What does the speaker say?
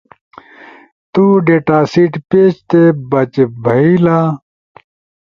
تو ڈیٹاسیٹ پیج تے بج بھئی لا